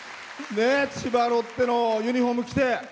千葉ロッテのユニフォーム着て。